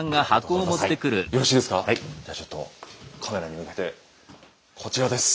じゃあちょっとカメラに向けてこちらです。